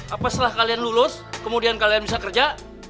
apa setelah kalian lulus kemudian kalian bisa kerja